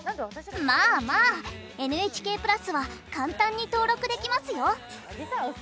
まあまあＮＨＫプラスは簡単に登録できますよ。